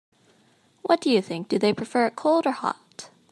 What do you think, do they prefer it cold or hot?